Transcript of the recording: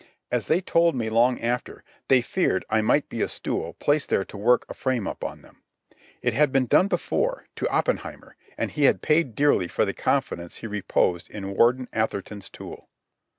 As they told me long after, they feared I might be a stool placed there to work a frame up on them. It had been done before, to Oppenheimer, and he had paid dearly for the confidence he reposed in Warden Atherton's tool.